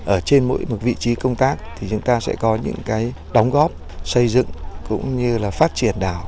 ở trên mỗi một vị trí công tác thì chúng ta sẽ có những cái đóng góp xây dựng cũng như là phát triển đảo